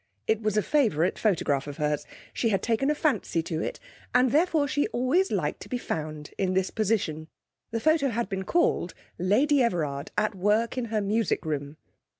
It was a favourite photograph of hers; she had taken a fancy to it, and therefore she always liked to be found in this position. The photo had been called: 'Lady Everard at work in her Music Room.'